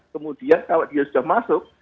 kemudian kalau dia sudah masuk